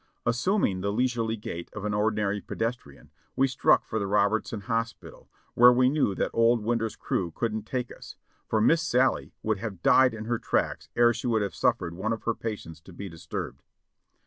Assuming the leisurely gait of an ordinary pedes trian, we struck for the Robertson Hospital, where we knew that old Winder's crew couldn't take us, for Miss Sallie would have died in her tracks ere she would have suffered one of her patients to be disturbed.